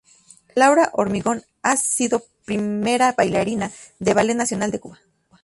Laura Hormigón ha sido primera bailarina del Ballet Nacional de Cuba.